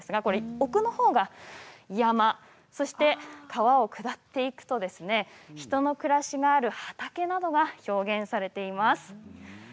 奥のほうが山川を下っていくと人の暮らしがある畑などが表現されています。